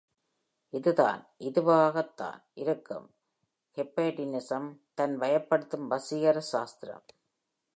இது தான் - இதுவாகதான் இருக்கும் - ஹிப்னாடிசம் (தன் வயப்படுத்தும் வசீகர சாஸ்திரம்).